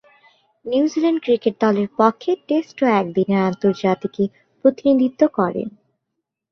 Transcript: New Zealand cricket দলের পক্ষে test ও একদিনের আন্তর্জাতিকে প্রতিনিধিত্ব করেন।